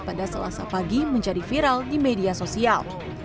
pada selasa pagi menjadi viral di media sosial